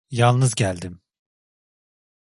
Yalnız geldim.